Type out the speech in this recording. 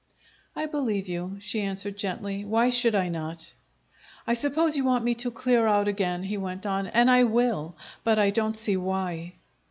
"I believe you," she answered gently. "Why should I not?" "I suppose you want me to clear out again," he went on, "and I will; but I don't see why."